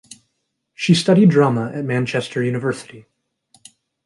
She studied Drama at Manchester University.